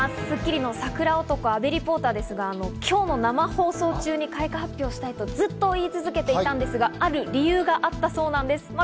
『スッキリ』の桜男・阿部リポーターですが、今日の生放送中に開花発表をしたいと、ずっと言い続けていたんですが、ある理由があったそうなんです。